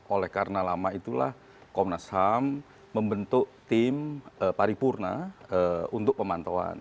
oleh karena lama itulah komnas ham membentuk tim paripurna untuk pemantauan